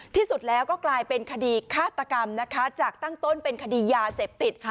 ที่สุดแล้วก็กลายเป็นคดีฆาตกรรมนะคะจากตั้งต้นเป็นคดียาเสพติดค่ะ